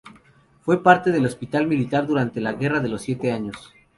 Fue parte del hospital militar durante la Guerra de los Siete Años.